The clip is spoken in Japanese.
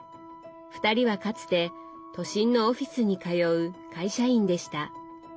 ２人はかつて都心のオフィスに通う会社員でした。